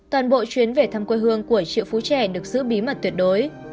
toàn bộ chuyến về thăm quê hương của triệu phú trẻ được giữ bí mật tuyệt đối